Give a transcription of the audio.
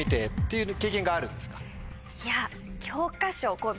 いや。